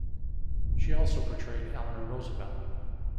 She also portrayed Eleanor Roosevelt.